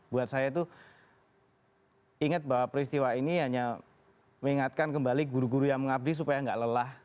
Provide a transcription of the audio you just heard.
buat saya itu ingat bahwa peristiwa ini hanya mengingatkan kembali guru guru yang mengabdi supaya nggak lelah